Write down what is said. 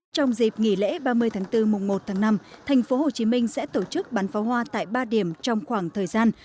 trong dịp nghỉ lễ ba mươi tháng bốn mùng một tháng năm thành phố hồ chí minh sẽ tổ chức bắn pháo hoa tại ba điểm trong khoảng thời gian